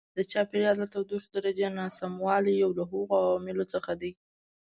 د چاپېریال د تودوخې درجې ناسموالی یو له هغو عواملو څخه دی.